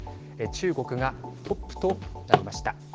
中国がトップとなりました。